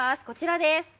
こちらです